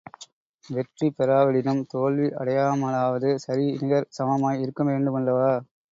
வெற்றி பெறாவிடினும் தோல்வி அடையாமலாவது சரி நிகர் சமமாய் இருக்கவேண்டுமல்லவா?